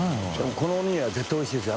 このおにぎりは絶対おいしいですよ。